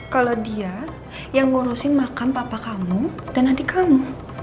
kalau dia yang ngurusin makam papa kamu dan adik kamu